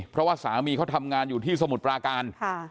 เพราะว่าสามีเขาทำงานอยู่ที่สมุทรปราการ